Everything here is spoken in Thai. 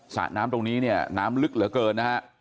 สระน้ำตรงนี้เนี่ยน้ำลึกเหลือเกินนะฮะ